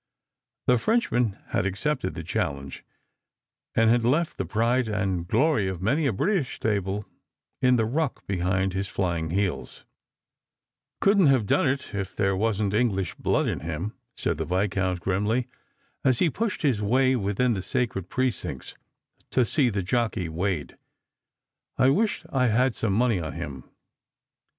The Frenchman had accepted the challenge, and had left the pricle and glory of many a British stable in the ruck behind his flying lieels, " Couldn't have done it if there wasn't English blood in him," said the Viscount grimly, as he pushed his way within the sacred precincts to see the jockey weighed. " I wish I'd had some money on him."